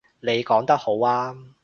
你講得好啱